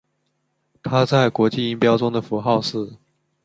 它在国际音标中的符号是。